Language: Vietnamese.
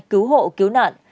cứu hộ cứu nạn